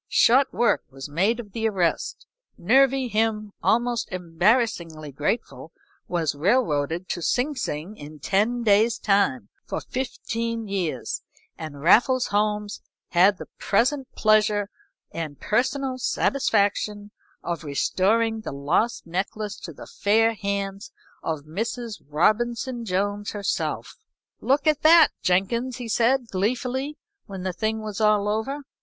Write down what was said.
Short work was made of the arrest; Nervy Him, almost embarrassingly grateful, was railroaded to Sing Sing in ten days' time, for fifteen years, and Raffles Holmes had the present pleasure and personal satisfaction of restoring the lost necklace to the fair hands of Mrs. Robinson Jones herself. "Look at that, Jenkins!" He said, gleefully, when the thing was all over.